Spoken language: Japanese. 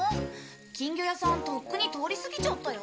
金魚屋さんとっくに通り過ぎちゃったよ。